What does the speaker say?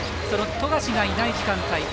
その富樫がいない時間帯。